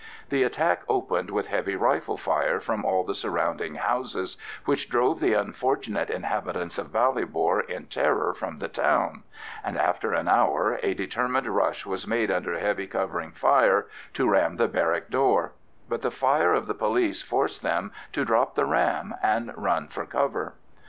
The attack opened with heavy rifle fire from all the surrounding houses, which drove the unfortunate inhabitants of Ballybor in terror from the town, and after an hour a determined rush was made under heavy covering fire to ram the barrack door; but the fire of the police forced them to drop the ram and run for shelter.